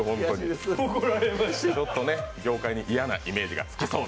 ちょっと業界に嫌なイメージがつきそう。